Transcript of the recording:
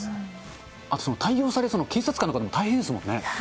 あと、対応される警察官の方も大変ですもんね。